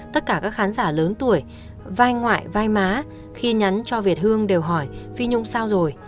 tất cả các khán giả lớn tuổi vai ngoại vai má khi nhấn cho việt hương đều hỏi phi nhung sao rồi